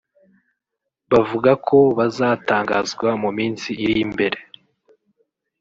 bavuga ko bazatangazwa mu minsi iri imbere